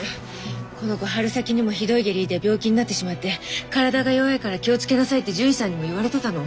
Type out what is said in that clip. この子春先にもひどい下痢で病気になってしまって体が弱いから気を付けなさいって獣医さんにも言われてたの。